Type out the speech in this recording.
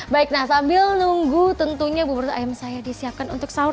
baik nah sambil nunggu tentunya bubur ayam saya disiapkan untuk sahur